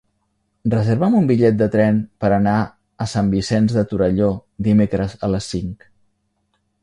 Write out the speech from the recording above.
Reserva'm un bitllet de tren per anar a Sant Vicenç de Torelló dimecres a les cinc.